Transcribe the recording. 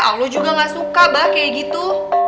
ah lu juga nggak suka abah kayak gitu